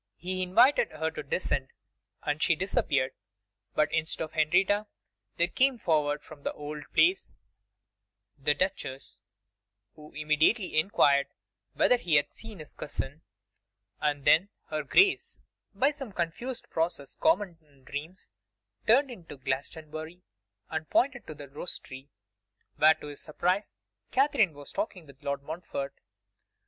He invited her to descend, and she disappeared; but instead of Henrietta, there came forward from the old Place the duchess, who immediately enquired whether he had seen his cousin; and then her Grace, by some confused process common in dreams, turned into Glastonbury, and pointed to the rose tree, where, to his surprise, Katherine was walking with Lord Montfort.